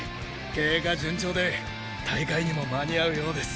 経過順調で大会にも間に合うようです。